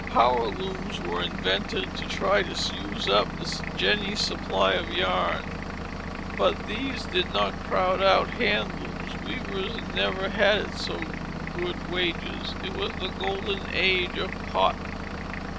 Power looms were invented to try to use up the jenny's supply of yarn, but these did not crowd out hand looms. Weavers never had so good wages. It was the Golden Age of Cotton.